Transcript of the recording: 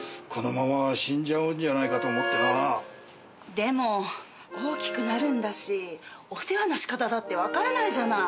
でも大きくなるんだしお世話の仕方だって分からないじゃない。